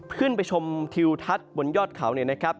ขึ้นไปชมทิวทัศน์บนยอดเขาเนี่ยนะครับ